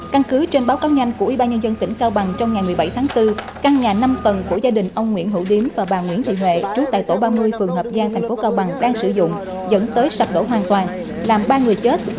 căn cứ trên báo cáo nhanh của ủy ban nhân dân tỉnh cao bằng trong ngày một mươi bảy tháng bốn căn nhà năm tầng của gia đình ông nguyễn hữu điếm và bà nguyễn thị huệ trú tại tổ ba mươi phường hợp giang thành phố cao bằng đang sử dụng dẫn tới sạc đổ hoàn toàn làm ba người chết